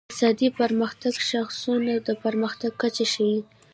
د اقتصادي پرمختګ شاخصونه د پرمختګ کچه ښيي.